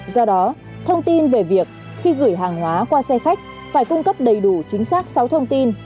do đó thông tin về việc khi gửi hàng hóa qua xe khách phải cung cấp đầy đủ chính xác sáu thông tin